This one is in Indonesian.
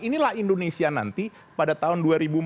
inilah indonesia nanti pada tahun dua ribu empat puluh